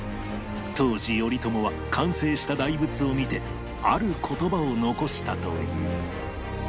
当時頼朝は完成した大仏を見てある言葉を残したという